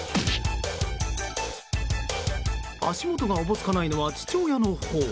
足元がおぼつかないのは父親のほう。